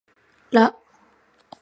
ら